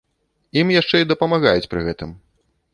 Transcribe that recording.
Ім яшчэ і дапамагаюць пры гэтым.